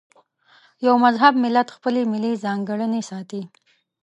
یو مهذب ملت خپلې ملي ځانګړنې ساتي.